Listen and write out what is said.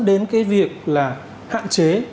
đến cái việc là hạn chế